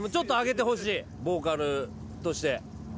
ボーカルとして。